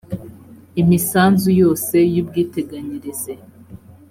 imisanzu yose y ubwiteganyirize